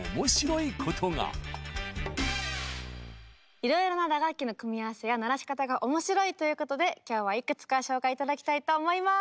いろいろな打楽器の組み合わせや鳴らし方が面白いということで今日はいくつか紹介頂きたいと思います！